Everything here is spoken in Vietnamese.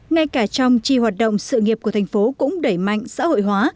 ngay cả trong chi hoạt động sự nghiệp của thành phố cũng đẩy mạnh xã hội hóa